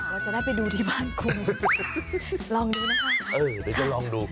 แล้วจะได้ไปดูที่บ้านคุณลองดูนะคะ